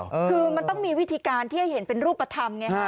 คือมันต้องมีวิธีการที่ให้เห็นเป็นรูปธรรมไงฮะ